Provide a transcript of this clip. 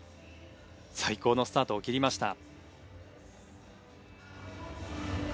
最高のスタートを切りました。